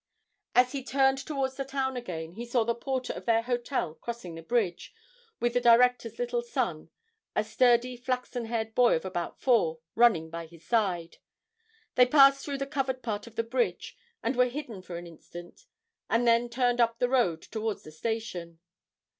As he turned towards the town again, he saw the porter of their hotel crossing the bridge, with the director's little son, a sturdy flaxen haired boy of about four, running by his side. They passed through the covered part of the bridge and were hidden for an instant, and then turned up the road towards the station.